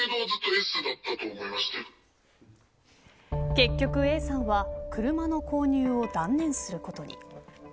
結局、Ａさんは車の購入を断念することに。